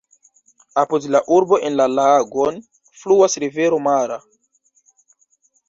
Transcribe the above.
Apud la urbo en la lagon fluas rivero Mara.